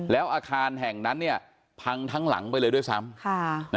แล้วอาคารแห่งนั้นพังทั้งหลังไปเลยด้วยซ้ำ